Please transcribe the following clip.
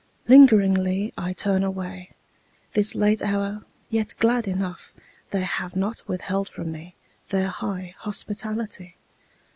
Lingeringly I turn away, This late hour, yet glad enough They have not withheld from me Their high hospitality.